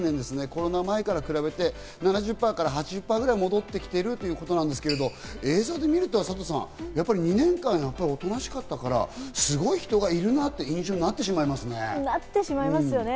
コロナ前から比べて、７０％から８０％ぐらい戻ってきているということなんですけど、映像で見ると、サトさん、２年間やっぱり大人しかったから、すごく人がいるなっていう印象になってしまいますね。